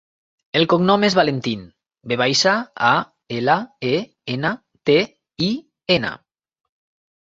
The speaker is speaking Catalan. El cognom és Valentin: ve baixa, a, ela, e, ena, te, i, ena.